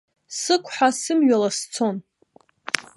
Сықәҳа сымҩала сцон.